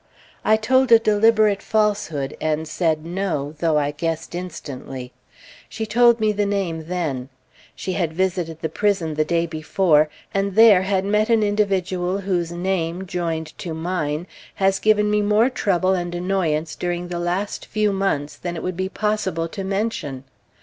I told a deliberate falsehood, and said no, though I guessed instantly. She told me the name then. She had visited the prison the day before, and there had met the individual whose name, joined to mine, has given me more trouble and annoyance during the last few months than it would be possible to mention.